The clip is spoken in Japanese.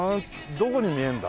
どこに見えるんだ？